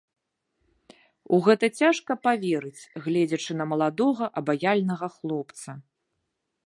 У гэта цяжка паверыць, гледзячы на маладога, абаяльнага хлопца.